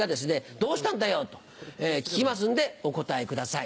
「どうしたんだよ？」と聞きますんでお答えください。